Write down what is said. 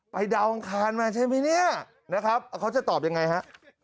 ดาวอังคารมาใช่ไหมเนี่ยนะครับเขาจะตอบยังไงฮะ